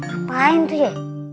apaan tuh ya